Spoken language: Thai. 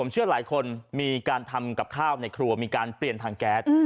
เชื่อหลายคนมีการทำกับข้าวในครัวมีการเปลี่ยนทางแก๊ส